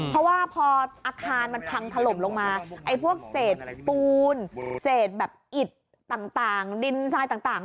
เพราะว่าพออาคารมันพังถล่มลงมาไอ้พวกเศษปูนเศษแบบอิดต่างดินทรายต่าง